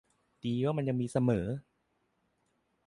ดีว่ามันยังเสมอ